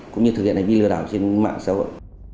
cũng như thực hiện hành vi lừa đảo trên mạng xã hội